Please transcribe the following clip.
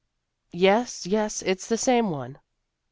" Yes, yes, it's the same one."